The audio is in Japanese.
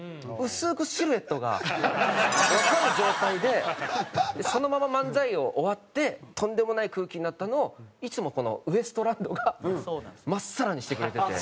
薄くシルエットがわかる状態でそのまま漫才を終わってとんでもない空気になったのをいつもウエストランドがまっさらにしてくれてて。